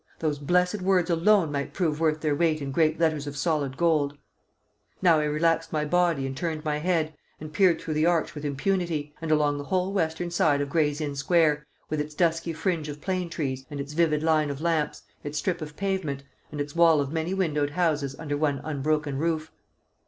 Those blessed words alone might prove worth their weight in great letters of solid gold. Now I could breathe again; now I relaxed my body and turned my head, and peered through the arch with impunity, and along the whole western side of Gray's Inn Square, with its dusky fringe of plane trees and its vivid line of lamps, its strip of pavement, and its wall of many windowed houses under one unbroken roof.